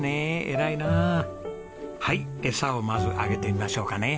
エサをまずあげてみましょうかね。